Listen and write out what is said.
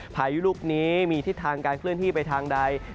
พายุลูกนี้มีทิศทางการเคลื่อนที่ไปทางใด